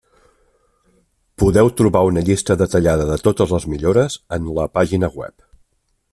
Podeu trobar una llista detallada de totes les millores en la pàgina web.